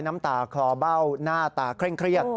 น้ำตาคลอเบ้าหน้าตาเคร่งเครียด